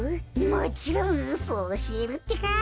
もちろんうそおしえるってか。